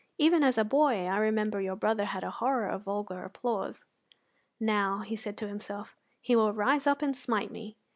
Even as a boy I remember your brother had a horror of vulgar applause." "Now," he said to himself, "he will rise up and smite me."